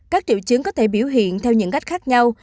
các triệu chứng có thể biểu hiện theo những cách khác nhau